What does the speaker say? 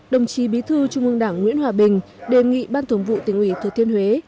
đồng chí bí thư trung ương đảng nguyễn hòa bình đề nghị ban thường vụ tỉnh ủy thừa thiên huế